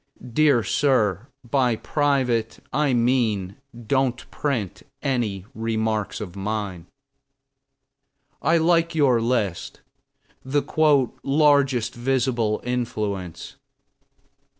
DEAR SIR, By "private," I mean don't print any remarks of mine. .................. I like your list. The "largest visible influence."